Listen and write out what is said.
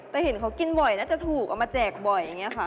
แต่เห็นเขากินบ่อยน่าจะถูกเอามาแจกบ่อยอย่างนี้ค่ะ